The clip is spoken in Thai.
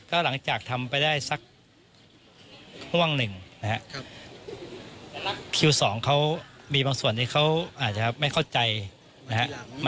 ก็หลังจากทำไปได้สักห่วงหนึ่งนะครับคิวสองเขามีบางส่วนที่เขาอาจจะไม่เข้าใจนะฮะ